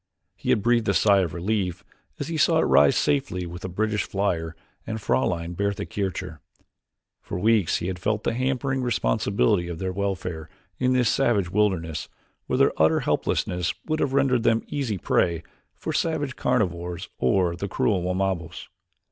He had breathed a sigh of relief as he saw it rise safely with the British flier and Fraulein Bertha Kircher. For weeks he had felt the hampering responsibility of their welfare in this savage wilderness where their utter helplessness would have rendered them easy prey for the savage carnivores or the cruel Wamabos.